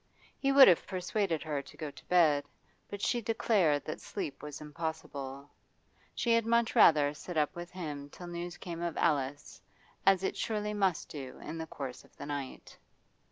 He would have persuaded her to go to bed, but she declared that sleep was impossible; she had much rather sit up with him till news came of Alice, as it surely must do in course of the night.